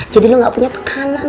jadi lo gak punya pekanan